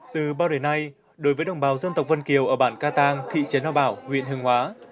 từ bao đời nay đối với đồng bào dân tộc vân kiều ở bản ca tăng thị trấn hà bảo huyện hương hóa